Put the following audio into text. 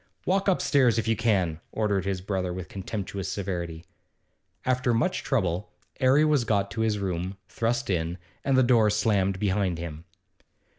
'Walk upstairs, if you can!' ordered his brother with contemptuous severity. After much trouble 'Arry was got to his room, thrust in, and the door slammed behind him.